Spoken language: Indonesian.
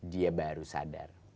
dia baru sadar